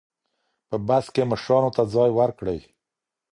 په بس کې مشرانو ته ځای ورکړئ.